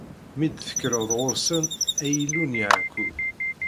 Mi d-tekkreḍ ɣur-sen, ay Illu n Yeɛqub.